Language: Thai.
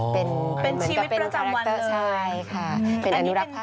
เป็นชีวิตประจำวันเลยใช่ค่ะเป็นอนุรักษ์ผ้าไทย